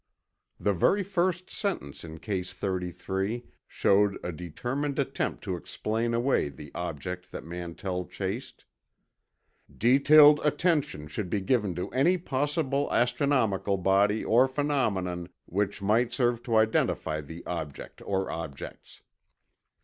The very first sentence in Case 33 showed a determined attempt to explain away the object that Mantell chased: "Detailed attention should be given to any possible astronomical body or phenomenon which might serve to identify the object or objects."